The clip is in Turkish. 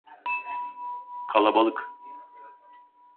Kalabalık.